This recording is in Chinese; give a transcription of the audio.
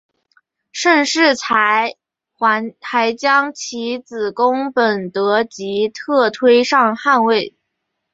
盛世才还将其子恭本德吉特推上汗位。